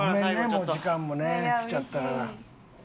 もう時間もねきちゃったから。